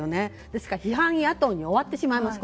ですから、批判野党に終わってしまいます。